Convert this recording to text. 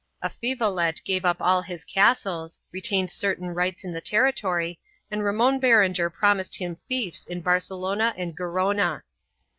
Avifelet gave up all his castles, re tained certain rights in the territory and Ramon Berenger prom ised him fiefs in Barcelona and Gerona.